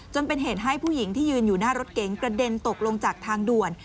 จนเป็นเหตุให้ผู้หญิงที่ยืนอยู่หน้ารถเก๋งกระเด็นตกลงจากทางด่วน